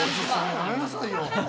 やめなさいよ。